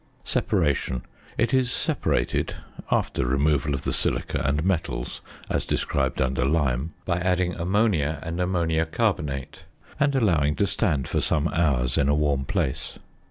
~Separation.~ It is separated (after removal of the silica and metals, as described under Lime) by adding ammonia and ammonia carbonate, and allowing to stand for some hours in a warm place.